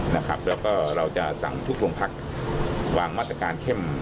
แล้วก็เราจะสั่งทุกโรงพักวางมาตรการเข้ม